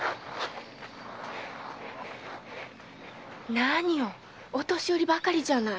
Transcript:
何よお年寄りばかりじゃない。